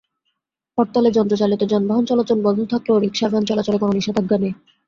হরতালে যন্ত্রচালিত যানবাহন চলাচল বন্ধ থাকলেও রিকশা-ভ্যান চলাচলে কোনো নিষেধাজ্ঞা নেই।